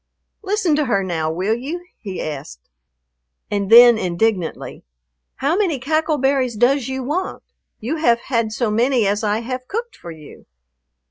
"Listen to her now, will you?" he asked. And then indignantly, "How many cackle berries does you want? You haf had so many as I haf cooked for you."